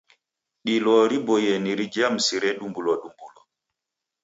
Dilo riboie ni rija mrisedumbulwadumbulwa.